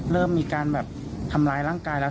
เริ่มมีการแบบทำร้ายร่างกายแล้ว